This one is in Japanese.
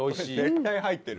絶対入ってる。